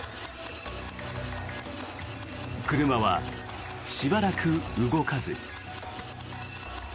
車はしばらく動かず。